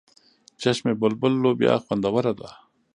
چشم بلبل لوبیا خوندوره ده.